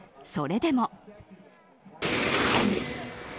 それでも。